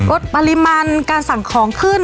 ปริมาณการสั่งของขึ้น